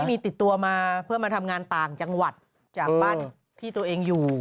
มีติดตัวมาเพื่อมาทำงานต่างจังหวัดจากบ้านที่ตัวเองอยู่